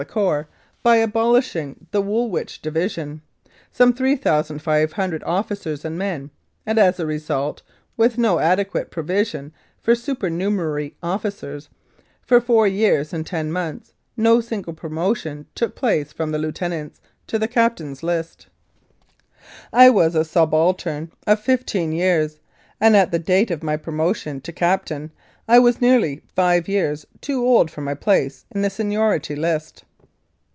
Lethbridge the corps by abolishing the Woolwich Division, some 3,500 officers and men, and as a result, with no adequate provision for supernumerary officers, for four years and ten months no single promotion took place from the lieutenants' to the captains' list. I was a subaltern of fifteen years, and at the date of my promotion to captain I was neafly five years too old for my place in the seniority list.